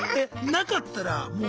なかったらもう。